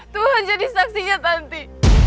tuhan jadi saksinya tanti